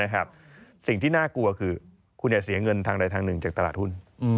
สิ่งที่น่ากลัวคือคุณอย่าเสียเงินทางใดทางหนึ่งจากตลาดหุ้น